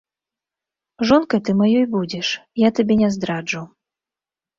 Жонкай ты маёй будзеш, я табе не здраджу.